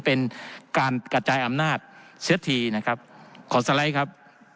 เป็นการกระจายอำนาจเสียทีนะครับขอสไลด์ครับ